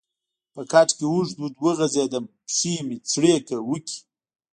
په کټ کې اوږد اوږد وغځېدم، پښې مې څړیکه وکړې.